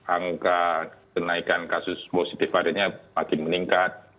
angka kenaikan kasus positif harinya makin meningkat